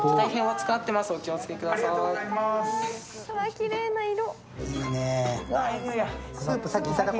きれいな色。